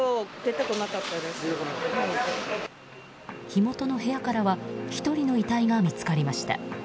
火元の部屋からは１人の遺体が見つかりました。